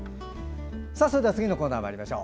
次のコーナーまいりましょう。